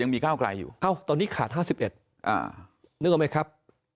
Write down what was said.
นึกออกไหมครับ